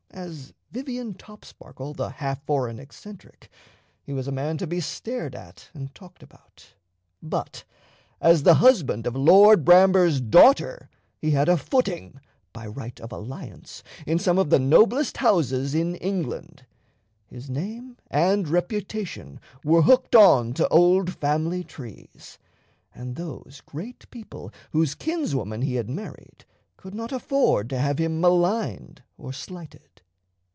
As Vivian Topsparkle the half foreign eccentric, he was a man to be stared at and talked about; but as the husband of Lord Bramber's daughter he had a footing by right of alliance in some of the noblest houses in England. His name and reputation were hooked on to old family trees; and those great people whose kinswoman he had married could not afford to have him maligned or slighted.